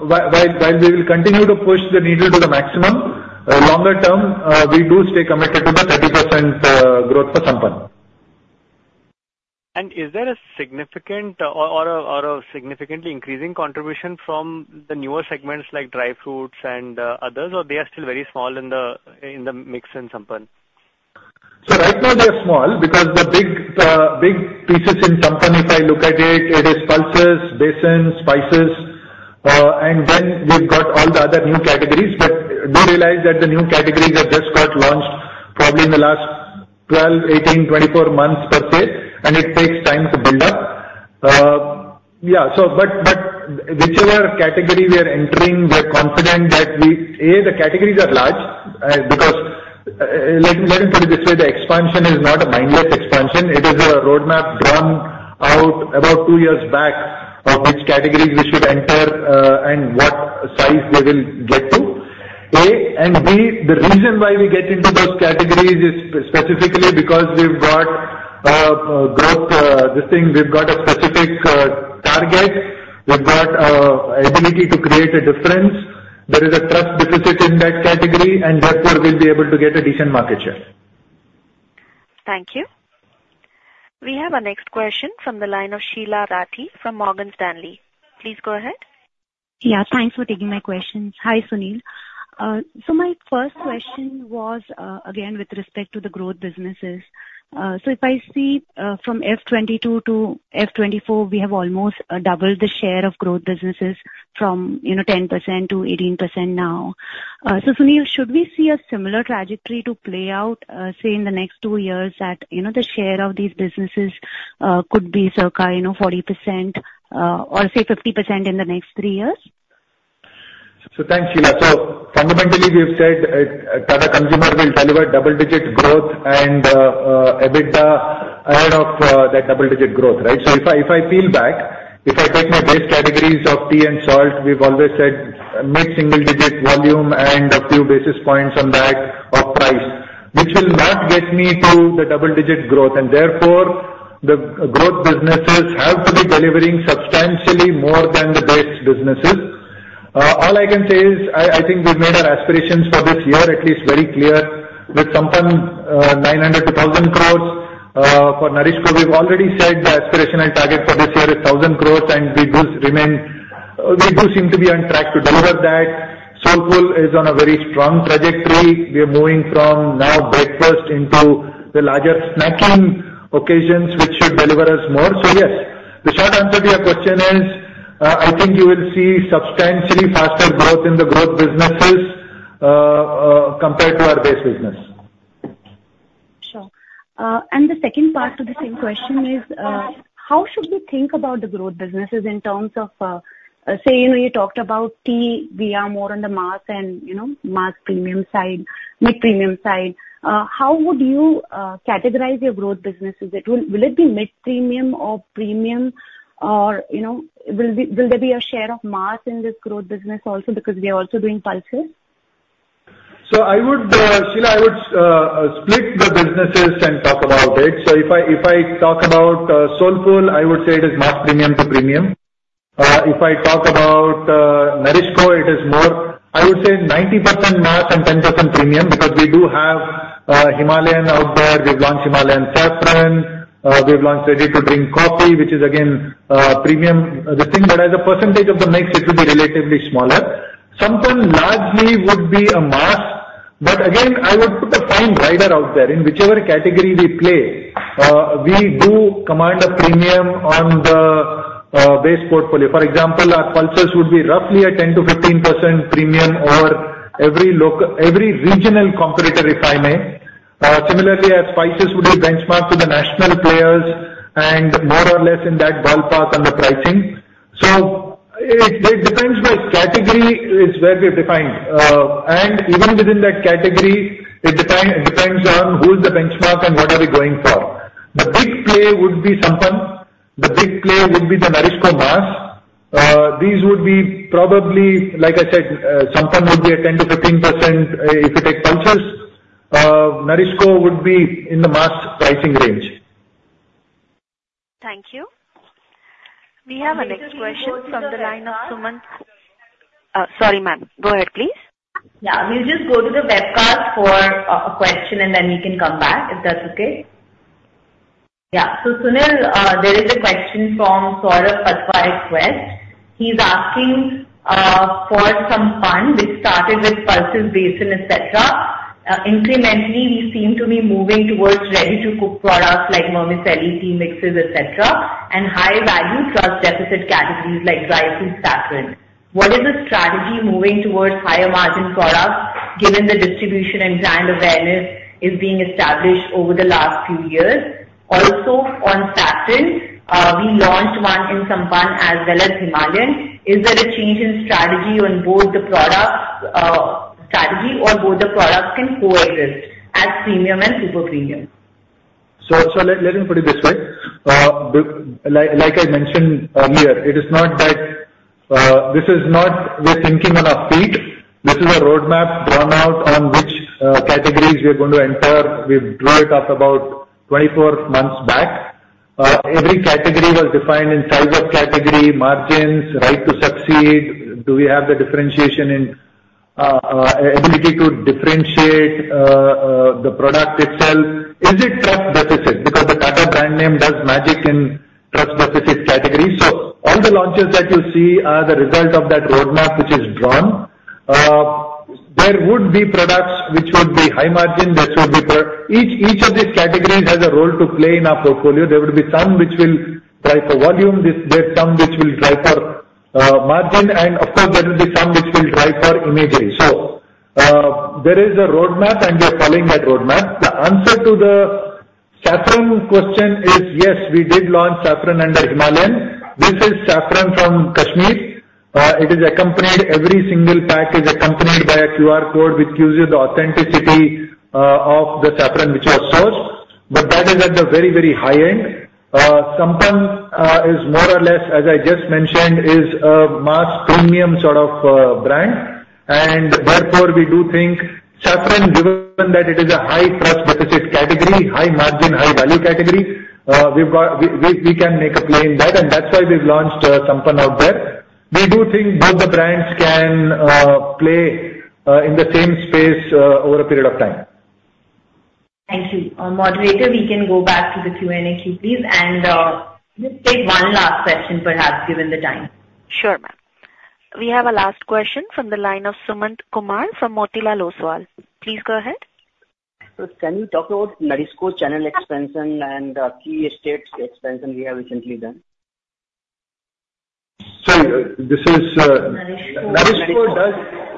while we will continue to push the needle to the maximum, longer term, we do stay committed to the 30% growth for Sampann. Is there a significant or a significantly increasing contribution from the newer segments like dry fruits and others, or they are still very small in the mix in Sampann? So right now they are small, because the big, big pieces in Sampann, if I look at it, it is pulses, basmati, spices, and then we've got all the other new categories. But do realize that the new categories have just got launched probably in the last 12, 18, 24-months per se, and it takes time to build up. Yeah, so but, but whichever category we are entering, we are confident that we, A, the categories are large, because, let, let me put it this way, the expansion is not a mindless expansion. It is a roadmap drawn out about two years back, of which categories we should enter, and what size we will get to, A, and B, the reason why we get into those categories is specifically because we've got, growth, this thing, we've got a specific, target. We've got, ability to create a difference. There is a trust deficit in that category, and therefore we'll be able to get a decent market share. Thank you. We have our next question from the line of Sheela Rathi from Morgan Stanley. Please go ahead. Yeah, thanks for taking my question. Hi, Sunil. So my first question was, again, with respect to the growth businesses. So if I see, from FY 2022 to FY 2024, we have almost doubled the share of growth businesses from, you know, 10% to 18% now. So Sunil, should we see a similar trajectory to play out, say, in the next two years, that, you know, the share of these businesses could be circa, you know, 40%, or say 50% in the next three years? So thanks, Sheela. So fundamentally, we've said, Tata Consumer will deliver double-digit growth and, EBITDA ahead of, that double-digit growth, right? So if I, if I peel back, if I take my base categories of tea and salt, we've always said mid-single digit volume and a few basis points on that of price, which will not get me to the double-digit growth. And therefore, the growth businesses have to be delivering substantially more than the base businesses. All I can say is I, I think we've made our aspirations for this year at least very clear. With Sampann, 900-1,000 crore. For NourishCo, we've already said the aspirational target for this year is 1,000 crore, and we do remain... We do seem to be on track to deliver that. Soulfull is on a very strong trajectory. We are moving from now breakfast into the larger snacking occasions, which should deliver us more. So yes, the short answer to your question is, I think you will see substantially faster growth in the growth businesses, compared to our base business.... Sure. And the second part to the same question is, how should we think about the growth businesses in terms of, say, you know, you talked about tea, we are more on the mass and, you know, mass premium side, mid-premium side. How would you categorize your growth businesses? Will it be mid-premium or premium, or, you know, will there be a share of mass in this growth business also because we are also doing pulses? So I would, Sheela, I would split the businesses and talk about it. So if I talk about Soulfull, I would say it is mass premium to premium. If I talk about NourishCo, it is more, I would say 90% mass and 10% premium, because we do have Himalayan out there. We've launched Himalayan saffron, we've launched ready to drink coffee, which is again premium. But as a percentage of the mix, it will be relatively smaller. Sampann largely would be a mass, but again, I would put a fine line out there. In whichever category we play, we do command a premium on the base portfolio. For example, our pulses would be roughly a 10%-15% premium over every local, every regional competitor, if I may. Similarly, our spices would be benchmarked to the national players and more or less in that ballpark on the pricing. So it depends which category is where we're defined, and even within that category, it depends on who is the benchmark and what are we going for. The big play would be Sampann. The big play would be the NourishCo mass. These would be probably, like I said, Sampann would be 10%-15%, if you take pulses. NourishCo would be in the mass pricing range. Thank you. We have a next question from the line of Sumant. Sorry, ma'am. Go ahead, please. Yeah, we'll just go to the webcast for a question, and then we can come back, if that's okay. Yeah. So Sunil, there is a question from Saurav Patwari, Quest. He's asking, for some time, we started with pulses, basmati, et cetera. Incrementally, we seem to be moving towards ready-to-cook products like vermicelli, tea mixes, et cetera, and high value trust deficit categories like dry fruits, saffron. What is the strategy moving towards higher margin products, given the distribution and brand awareness is being established over the last few years? Also, on saffron, we launched one in Sampann as well as Himalayan. Is there a change in strategy on both the products, strategy or both the products can coexist as premium and super premium? So let me put it this way. Like I mentioned earlier, it is not that this is not we're thinking on our feet. This is a roadmap drawn out on which categories we are going to enter. We drew it up about 24 months back. Every category was defined in size of category, margins, right to succeed. Do we have the differentiation and ability to differentiate the product itself? Is it trust deficit? Because the Tata brand name does magic in trust deficit categories. So all the launches that you see are the result of that roadmap which is drawn. There would be products which would be high margin, there should be each, each of these categories has a role to play in our portfolio. There would be some which will drive for volume, this, there's some which will drive for, margin, and of course, there will be some which will drive for imagery. So, there is a roadmap, and we are following that roadmap. The answer to the saffron question is, yes, we did launch saffron under Himalayan. This is saffron from Kashmir. It is accompanied, every single pack is accompanied by a QR code, which gives you the authenticity, of the saffron which you have sourced, but that is at the very, very high end. Sampann, is more or less, as I just mentioned, is a mass premium sort of, brand, and therefore, we do think saffron, given that it is a high trust deficit category, high margin, high value category, we've got... We can make a play in that, and that's why we've launched Sampann out there. We do think both the brands can play in the same space over a period of time. Thank you. Moderator, we can go back to the Q&A, please, and just take one last question, perhaps, given the time. Sure, ma'am. We have a last question from the line of Sumant Kumar from Motilal Oswal. Please go ahead. Can you talk about NourishCo channel expansion and key estate expansion we have recently done? Sorry, this is- NourishCo.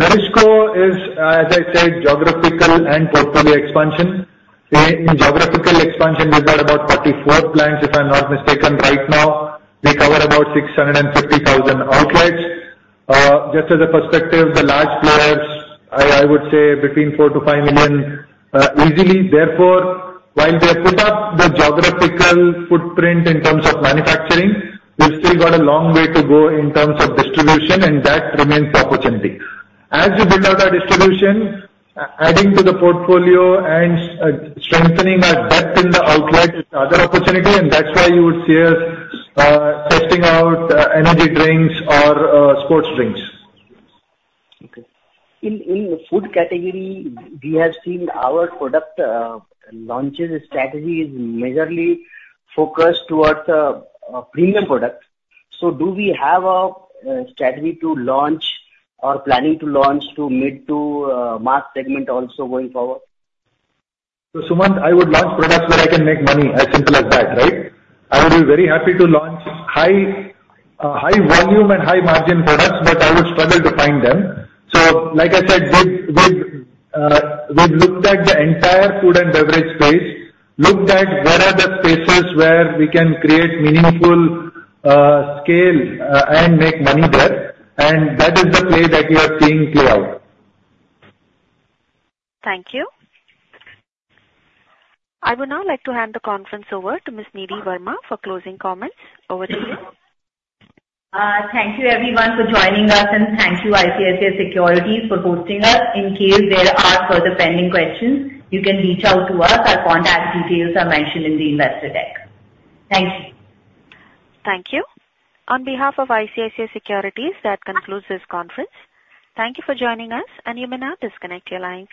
NourishCo is, as I said, geographical and portfolio expansion. In geographical expansion, we've got about 44 plants, if I'm not mistaken, right now. We cover about 650,000 outlets. Just as a perspective, the large players, I would say between 4-5 million, easily. Therefore, while we have kept up the geographical footprint in terms of manufacturing, we've still got a long way to go in terms of distribution, and that remains the opportunity. As we build out our distribution, adding to the portfolio and strengthening our depth in the outlet is the other opportunity, and that's why you would see us testing out energy drinks or sports drinks. Okay. In the food category, we have seen our product launches strategy is majorly focused towards premium products. So do we have a strategy to launch or planning to launch to mid to mass segment also going forward? So Sumant, I would launch products where I can make money, as simple as that, right? I would be very happy to launch high, high volume and high margin products, but I would struggle to find them. So like I said, we've looked at the entire food and beverage space, looked at where are the spaces where we can create meaningful scale, and make money there, and that is the play that you are seeing play out. Thank you. I would now like to hand the conference over to Ms. Nidhi Verma for closing comments. Over to you. Thank you everyone for joining us, and thank you, ICICI Securities, for hosting us. In case there are further pending questions, you can reach out to us. Our contact details are mentioned in the investor deck. Thank you. Thank you. On behalf of ICICI Securities, that concludes this conference. Thank you for joining us, and you may now disconnect your lines.